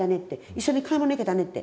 一緒に買い物行けたねって。